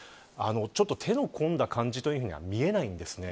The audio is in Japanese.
ちょっと手の込んだ感じというふうには見えないんですね。